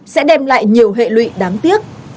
sẽ đem lại nhiều hệ lụy đáng tiếc